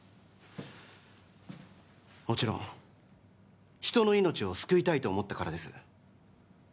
もちろん人の命を救いたいと思ったからです